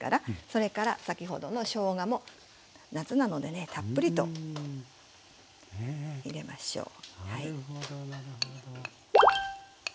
それから先ほどのしょうがも夏なのでねたっぷりと入れましょう。